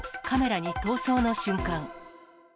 カメラに逃走の瞬間。